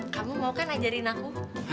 kamu mau kan ajarin aku